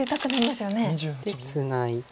でツナいで。